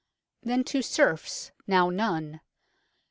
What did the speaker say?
Then 2 serfs ; now none.